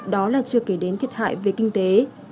đó là chưa kể đến thiệt hại về kinh tế